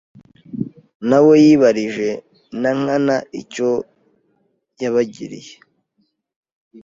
Nawe yibarije Nankana icyo yabigiriye